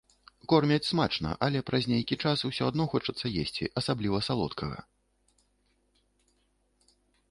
Кормяць смачна, але праз нейкі час усё адно хочацца есці, асабліва салодкага.